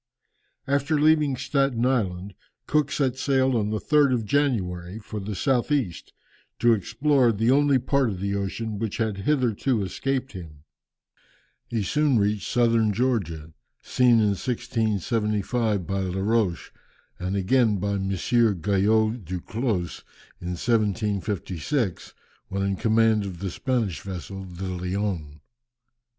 After leaving Staten Island, Cook set sail on the 3rd of January, for the south east, to explore the only part of the ocean which had hitherto escaped him. He soon reached Southern Georgia, seen in 1675 by Laroche, and again by M. Guyot Duclos in 1756, when in command of the Spanish vessel the Leön.